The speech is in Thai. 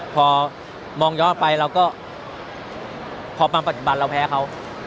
พอมองยอดไปแล้วก็พอฟังปัจจุบันเราแพ้เขา